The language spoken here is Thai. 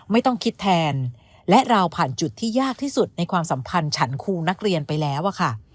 ไม่ต้องคิดแทนและเราผ่านจุดที่ยากที่สุดในความสัมพันธ์ฉันครูนักเรียนไปแล้วอะค่ะ